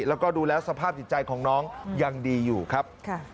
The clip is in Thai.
แล้วก็ดูแล้วสภาพจิตใจของน้องยังดีอยู่ครับ